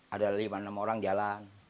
ada lima enam orang jalan